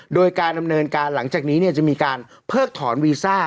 โดยการดำเนินการหลังจากนี้จะมีการเพิกถอนวีซ่า